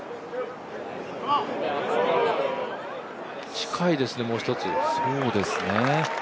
近いですね、もう一つ。